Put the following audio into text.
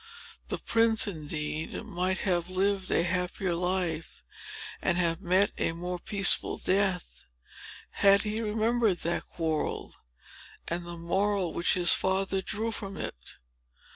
The prince, indeed, might have lived a happier life, and have met a more peaceful death, had he remembered that quarrel, and the moral which his father drew from it.